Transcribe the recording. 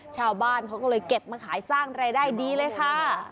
ชาวบ้านเขาก็เลยเก็บมาขายสร้างรายได้ดีเลยค่ะ